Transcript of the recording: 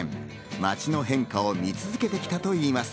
街の変化を見続けてきたといいます。